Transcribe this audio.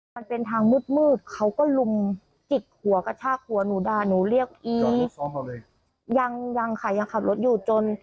มันเป็นทางมืดมืดเขาก็ลุมจิกหัวกระชากหัวหนูด่าหนูเรียกอีหนูยังยังค่ะยังขับรถอยู่จน